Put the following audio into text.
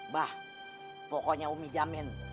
bah pokoknya umi jamin